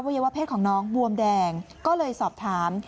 วัยวะเพศของน้องบวมแดงก็เลยสอบถาม